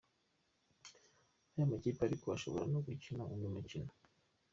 Aya makipe ariko ashobora no gukina undi mukino .